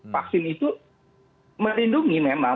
vaksin itu merindungi memang